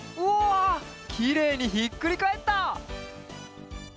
わあきれいにひっくりかえった！